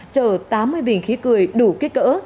chở tám mươi bình khí cười đủ kích cỡ